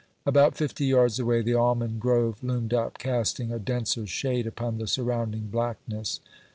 About fifty yards away the almond grove loomed up, casting a denser shade upon the surrounding blackness.